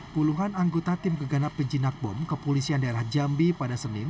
puluhan anggota tim geganap penjinak bom kepolisian daerah jambi pada senin